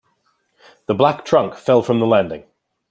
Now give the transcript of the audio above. The black trunk fell from the landing.